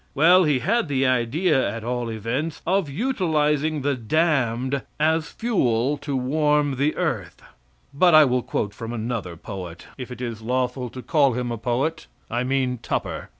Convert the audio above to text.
Well, he had the idea at all events of utilizing the damned as fuel to warm the earth. But I will quote from another poet if it is lawful to call him a poet. I mean Tupper.